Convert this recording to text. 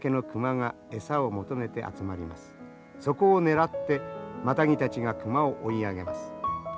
そこを狙ってマタギたちが熊を追い上げます。